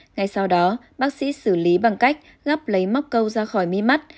ngay sau đó bác sĩ xử lý bằng cách gắp lấy móc câu ra khỏi mi mắt